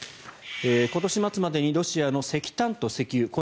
今年末までにロシアの石炭と石油